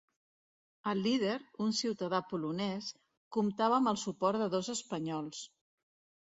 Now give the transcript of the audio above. El líder, un ciutadà polonès, comptava amb el suport de dos espanyols.